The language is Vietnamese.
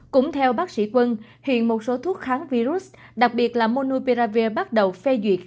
cũng theo bác sĩ quân hiện một số thuốc kháng virus đặc biệt là monuperavir bắt đầu phê duyệt